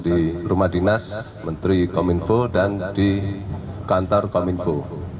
di rumah dinas menteri kominfo dan di kantor kominfo